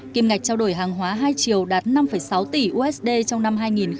kiềm ngạch trao đổi hàng hóa hai triều đạt năm sáu tỷ usd trong năm hai nghìn một mươi sáu